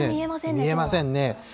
見えませんね。